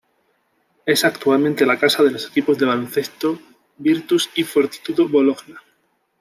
Es actualmente la casa de los equipos de baloncesto Virtus y Fortitudo Bologna.